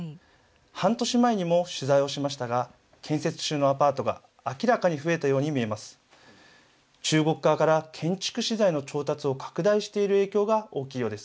半年前にも取材をしましたが建設中のアパートが明らかに増えたように見えます。